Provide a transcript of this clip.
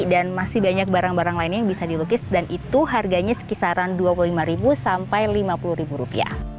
dan masih banyak barang barang lainnya yang bisa dilukis dan itu harganya sekisaran rp dua puluh lima sampai rp lima puluh